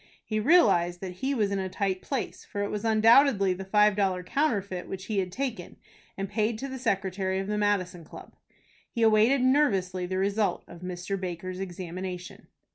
He realized that he was in a tight place, for it was undoubtedly the five dollar counterfeit which he had taken, and paid to the Secretary of the Madison Club. He awaited nervously the result of Mr. Baker's examination.